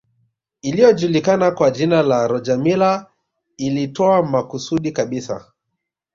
Iliyojulikana kwa jina la Roger Milla iliitoa makusudi kabisa